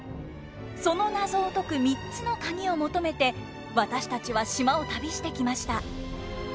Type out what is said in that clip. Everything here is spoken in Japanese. その謎を解く３つのカギを求めて私たちは島を旅してきました。